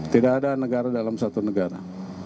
tidak ada negara dalam satu negara